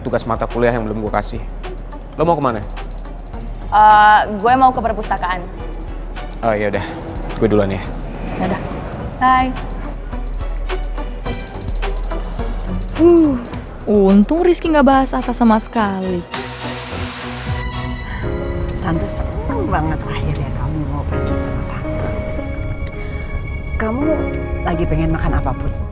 kamu lagi pengen makan apapun